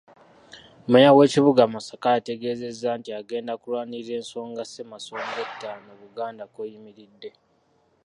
Mmeeya w'ekibuga Masaka ategeezezza nti agenda kulwanirira ensonga Ssemasonga ettaano, Buganda kw'eyimiridde.